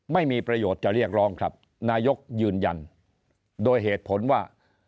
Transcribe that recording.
ไม่มีประโยชน์จะเรียกร้องครับนายกยืนยันโดยเหตุผลว่า